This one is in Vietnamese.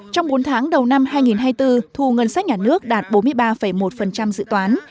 trong bốn tháng đầu năm hai nghìn hai mươi bốn thu ngân sách nhà nước đạt bốn mươi ba một dự toán